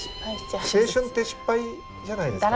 青春って失敗じゃないですか。